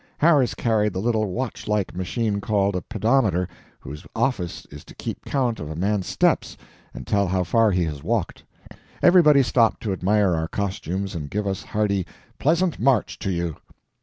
Harris carried the little watch like machine called a "pedometer," whose office is to keep count of a man's steps and tell how far he has walked. Everybody stopped to admire our costumes and give us a hearty "Pleasant march to you!"